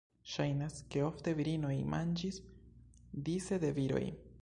Ŝajnas, ke ofte virinoj manĝis dise de viroj.